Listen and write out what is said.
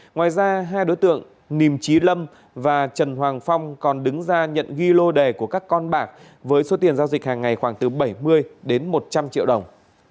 ngoài ra hai đối tượng nìm trí lâm và trần hoàng phong còn đứng ra nhận ghi lô đề của các con bạc với số tiền giao dịch hàng ngày khoảng từ bảy mươi đến một trăm linh triệu đồng